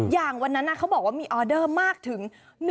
อย่างวันนั้นเขาบอกว่ามีออเดอร์มากถึง